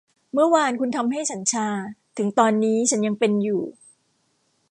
เมื่อวานคุณทำให้ฉันชา ถึงตอนนี้ฉันยังเป็นอยู่